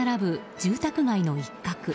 住宅街の一角。